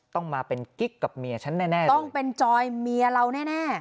ต้องมาเป็นกิ๊กกับเมียฉันแน่ต้องเป็นจอยเมียเราแน่